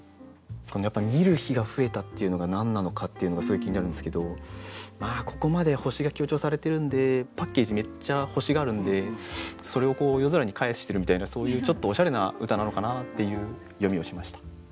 このやっぱり「見る日がふえた」っていうのが何なのかっていうのがすごい気になるんですけどまあここまで星が強調されてるんでパッケージめっちゃ星があるんでそれを夜空にかえしてるみたいなそういうちょっとおしゃれな歌なのかなっていう読みをしました。